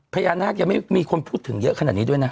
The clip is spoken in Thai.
พญานาคยังไม่มีคนพูดถึงเยอะขนาดนี้ด้วยนะ